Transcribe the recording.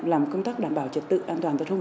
làm công tác đảm bảo trật tự an toàn giao thông